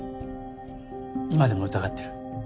今でも疑ってる。